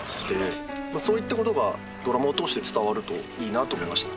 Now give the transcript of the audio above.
そういったことがドラマを通して伝わるといいなと思いました。